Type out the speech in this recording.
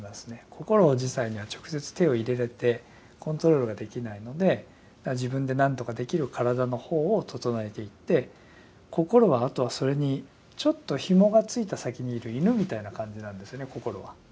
心自体には直接手を入れてコントロールができないので自分でなんとかできる体の方を整えていって心はあとはそれにちょっとひもがついた先にいる犬みたいな感じなんですよね心は。